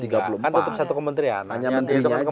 tiga puluh empat kan tetap satu kementerian